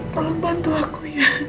tolong bantu aku ya